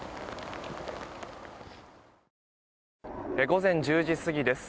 午前１０時過ぎです。